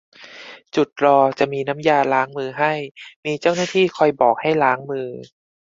จุดรอจะมีน้ำยาล้างมือให้ มีเจ้าหน้าที่คอยบอกให้ล้างมือ